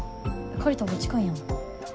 借りたほうが近いやん。